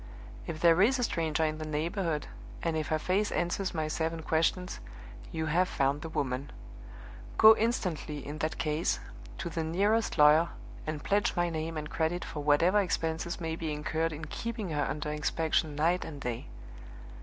If there is a stranger in the neighborhood, and if her face answers my seven questions, you have found the woman! Go instantly, in that case, to the nearest lawyer, and pledge my name and credit for whatever expenses may be incurred in keeping her under inspection night and day.